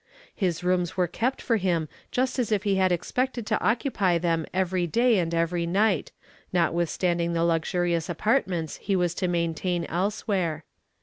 His rooms were kept for him just as if he had expected to occupy them every day and every night, notwithstanding the luxurious apartments he was to maintain elsewhere.